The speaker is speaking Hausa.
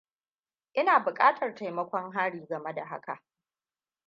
Ina bukatar taimakon Haryy game da haka.